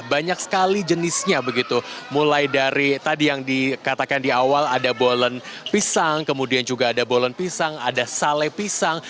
banyak sekali jenisnya begitu mulai dari tadi yang dikatakan di awal ada bolen pisang kemudian juga ada bolen pisang ada sale pisang